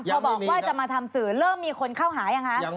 พอบอกว่าจะมาทำสื่อเริ่มมีคนเข้าหายังคะ